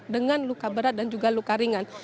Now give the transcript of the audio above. dengan luka berat dan juga luka ringan